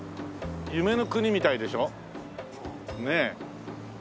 夢の国みたいでしょ？ねえ。